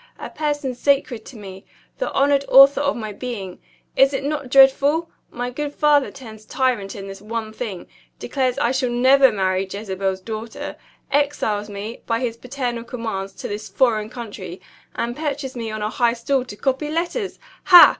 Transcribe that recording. a person sacred to me the honored author of my being. Is it not dreadful? My good father turns tyrant in this one thing; declares I shall never marry 'Jezebel's Daughter;' exiles me, by his paternal commands, to this foreign country; and perches me on a high stool to copy letters. Ha!